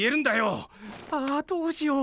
ああどうしよう。